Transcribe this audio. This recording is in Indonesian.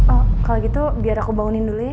oh kalau gitu biar aku bangunin dulu ya